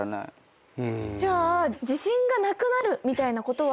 じゃあ自信がなくなるみたいなことは。